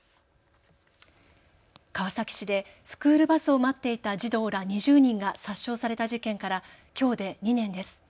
川崎市でスクールバスを待っていた児童ら２０人が殺傷された事件から、きょうで２年です。